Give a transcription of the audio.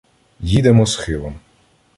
їдемо схилом.